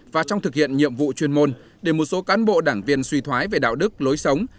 và trong thực hiện nhiệm vụ chuyên môn để một số cán bộ đảng viên suy thoái về đạo đức lối sống